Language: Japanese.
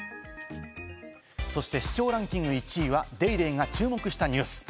そして、視聴ランキング１位は『ＤａｙＤａｙ．』が注目したニュース。